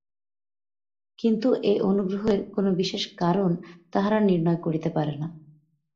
কিন্তু এ অনুগ্রহের কোনো বিশেষ কারণ তাহারা নির্ণয় করিতে পারে না।